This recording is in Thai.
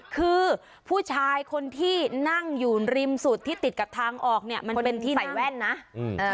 คือผู้ชายคนที่นั่งอยู่ริมสุดที่ติดกับทางออกเนี่ยมันเป็นที่ใส่แว่นนะอืมเอ่อ